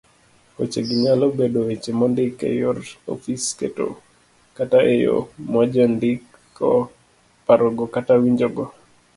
Wechegi nyalo bedo weche mondik eyor ofis kata eyo majandiko parogo kata winjogo